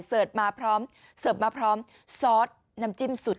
เสิร์ฟมาพร้อมซอสน้ำจิ้มสุด